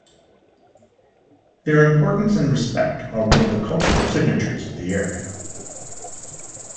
Their importance and respect are one of the cultural signatures of the area.